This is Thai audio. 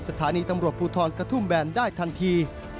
สถานีตำรวจภูทรกระทุ่มแบนได้ทันที